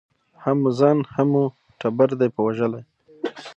هم مو ځان هم مو ټبر دی په وژلی